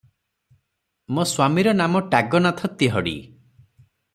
ମୋ ସ୍ୱାମୀର ନାମ ଟାଗନାଥ ତିହଡି ।